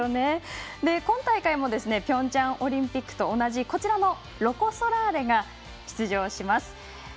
今大会もピョンチャンオリンピックと同じロコ・ソラーレが出場します。